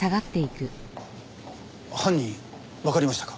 犯人わかりましたか？